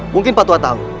mungkin pak tua tahu